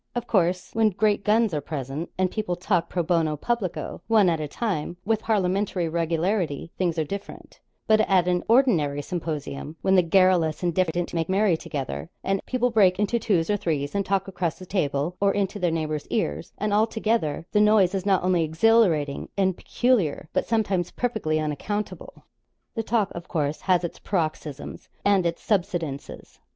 Of course, when great guns are present, and people talk pro bono publico, one at a time, with parliamentary regularity, things are different; but at an ordinary symposium, when the garrulous and diffident make merry together, and people break into twos or threes and talk across the table, or into their neighbours' ears, and all together, the noise is not only exhilarating and peculiar, but sometimes perfectly unaccountable. The talk, of course, has its paroxysms and its subsidences.